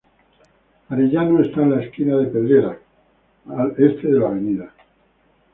Arellano está en la esquina de Pedrera ala este de la Av.